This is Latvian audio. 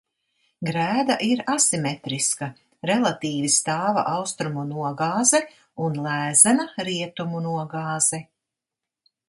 Grēda ir asimetriska – relatīvi stāva austrumu nogāze un lēzena rietumu nogāze.